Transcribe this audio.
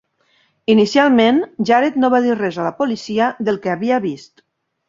Inicialment, Jared no va dir res a la policia del que havia vist.